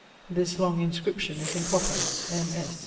_This long inscription is in copper: _ M.